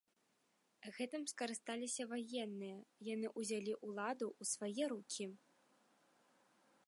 Гэтым скарысталіся ваенныя, яні ўзялі ўладу ў свае рукі.